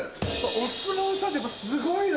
お相撲さんってやっぱすごいな。